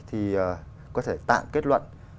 thì có thể tạm kết luận